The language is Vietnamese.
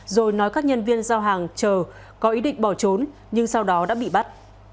rồi nói các nhân viên giao hàng chờ có ý định bỏ trốn nhưng sau đó đã bị bắt